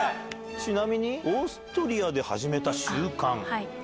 ちなみにオーストリアで始めた習慣。